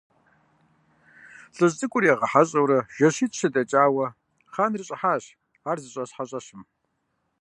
ЛӀыжь цӀыкӀур ягъэхьэщӀэурэ жэщитӀ-щы дэкӀауэ, хъаныр щӀыхьащ ар зыщӀэс хьэщӀэщым.